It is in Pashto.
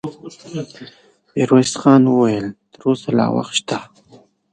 ميرويس خان وويل: تر اوسه لا وخت شته.